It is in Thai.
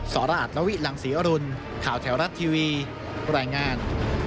สราชนวิหลังศรีอรุณข่าวแถวรัฐทีวีรายงาน